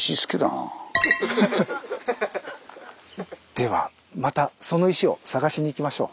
ではまたその石を探しに行きましょう。